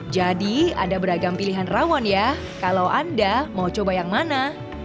jadi ada beragam pilihan rawan ya kalau anda mau coba yang mana